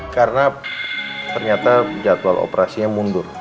karena ternyata jadwal operasinya mundur